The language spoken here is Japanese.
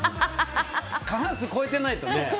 過半数超えてないとね。